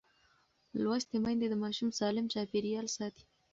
لوستې میندې د ماشوم سالم چاپېریال ساتي.